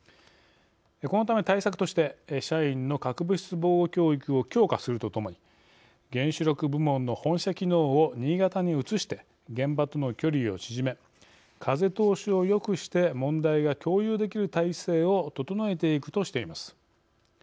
このため対策として社員の核物質防護教育を強化するとともに原子力部門の本社機能を新潟に移して現場との距離を縮め風通しをよくして問題が共有できる体制を整えていくとしています。